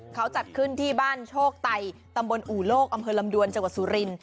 เขาจัดขึ้นที่บ้านโชคไตตำบลอู่โลกอำเภอลำดวนจังหวัดสุริน